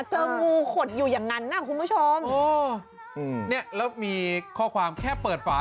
เจองูขดอยู่อย่างนั้นน่ะคุณผู้ชมโอ้เนี่ยแล้วมีข้อความแค่เปิดฝา